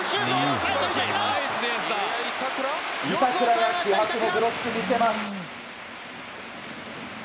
板倉が気迫のブロックを見せます。